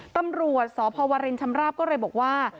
ตำรวจสพวรินชำราบก็เลยบอกว่า